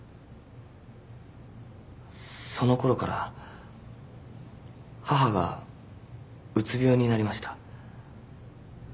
そのころから母がうつ病になりました。